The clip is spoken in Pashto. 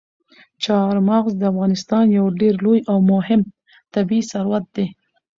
چار مغز د افغانستان یو ډېر لوی او مهم طبعي ثروت دی.